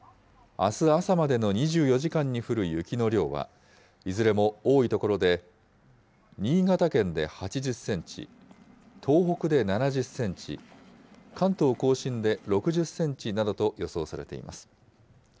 あす朝までの２４時間に降る雪の量は、いずれも多い所で、新潟県で８０センチ、東北で７０センチ、関東甲信で６０センチなどと予想されています。